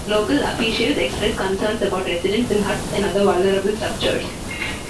Local officials expressed concerns about residents in huts and other vulnerable structures.